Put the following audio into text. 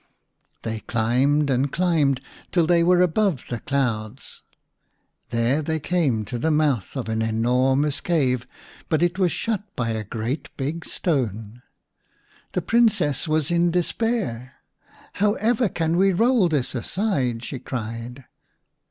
They climbed and climbed till they were above the clouds. There they came to the mouth of an enormous cave, but it was shut by a great 49 E The Rabbit Prince v big stone. The Princess was in despair. " How ever can we roll this aside ?" she cried.